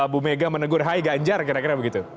bumega menegur hai ganjar kira kira begitu